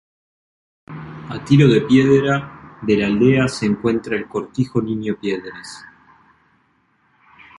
A tiro de piedra de la aldea se encuentra el cortijo Niño Piedras.